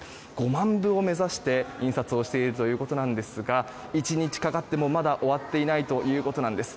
５万部を目指して印刷をしているということなんですが１日かかってもまだ終わっていないということなんです。